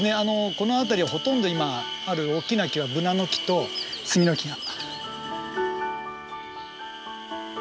この辺りはほとんど今ある大きな木はブナの木とスギの木が。